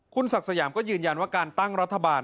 คุณศักดิ์สยามก็ยืนยันว่าการตั้งรัฐบาล